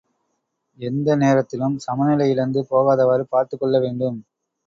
எந்த நேரத்திலும் சமநிலை இழந்து போகாதவாறு பார்த்துக்கொள்ள வேண்டும்.